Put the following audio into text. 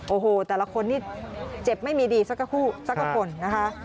โอ้โหแต่ละคนนี่เจ็บไม่มีดีสักคู่สักคนนะคะ